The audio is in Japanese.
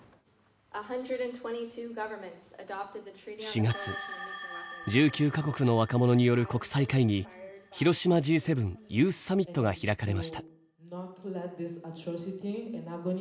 ４月１９か国の若者による国際会議広島Ｇ７ユースサミットが開かれました。